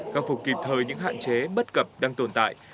khắc phục kịp thời những hạn chế bất cập đang tồn tại